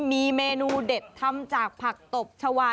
มีเมนูเด็ดทำจากผักตบชาวา